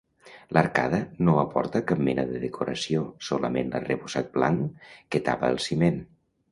L'arcada no aporta cap mena de decoració solament l'arrebossat blanc que tapa el ciment.